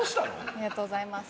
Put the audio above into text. ありがとうございます。